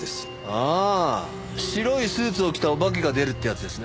ああ白いスーツを着たお化けが出るってやつですね。